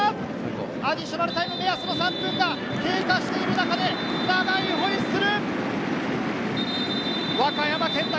アディショナルタイム３分が経過した中で、長いホイッスル。